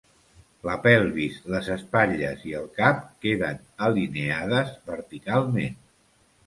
La pelvis, les espatlles i el cap queden alineades verticalment.